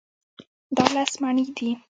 دا لس مڼې دي.